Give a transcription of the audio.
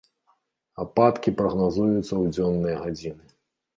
Ападкі прагназуюцца ў дзённыя гадзіны.